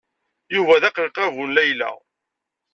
Yuba d aqelqabu n Layla.